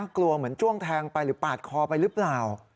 กลัวเหมือนจ้วงแทงไปหรือปาดคอไปหรือเปล่า